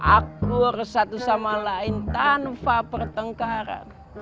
aku harus satu sama lain tanpa pertengkaran